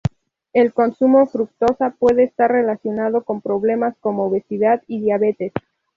El consumo fructosa puede estar relacionado con problemas como obesidad y diabetes.